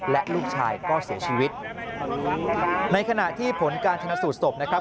และลูกชายก็เสียชีวิตในขณะที่ผลการชนะสูตรศพนะครับ